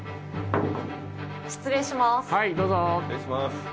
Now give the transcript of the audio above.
失礼します。